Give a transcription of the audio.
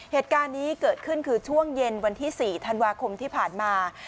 เหตุการณ์นี้เกิดขึ้นคือช่วงเย็นวันที่๔ธันวาคมที่ผ่านมา